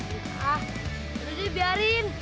udah jadi biarin